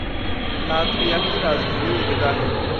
Latvia की राजधानी Riga है।